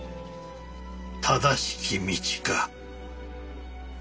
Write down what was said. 正しき道か。